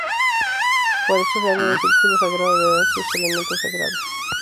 Por eso, se habla del círculo sagrado de danza y sus elementos sagrados.